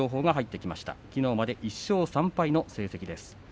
きのうまで１勝３敗の成績です。